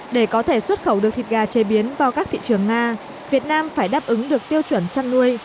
để có thể xuất khẩu được thịt gà chế biến vào các thị trường nga việt nam phải đáp ứng được tiêu chuẩn chăn nuôi